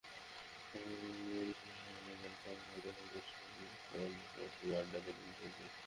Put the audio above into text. অনুষ্ঠানে গানের ফাঁকে ফাঁকে দর্শকদের সঙ্গে ফোনে সরাসরি আড্ডা দেবেন শিল্পী।